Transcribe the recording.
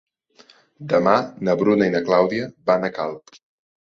Demà na Bruna i na Clàudia van a Calp.